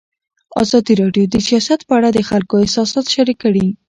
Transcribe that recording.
ازادي راډیو د سیاست په اړه د خلکو احساسات شریک کړي.